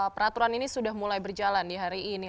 peraturan ini sudah mulai berjalan di hari ini